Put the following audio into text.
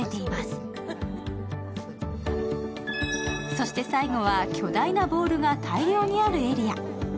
そして最後は巨大なボールが大量にあるエリア。